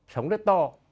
sống rất to